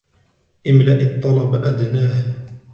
املأ الطلب أدناه.